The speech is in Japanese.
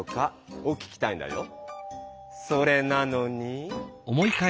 それなのに。